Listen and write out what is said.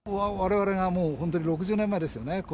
われわれがもう、本当に６０年前ですよね。